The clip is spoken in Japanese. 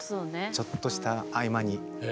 ちょっとした合間に。